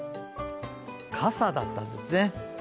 傘だったんですね。